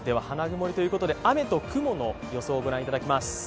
花曇りということで雨と雲の予想を御覧いただきます。